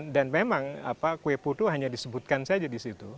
memang kue putu hanya disebutkan saja di situ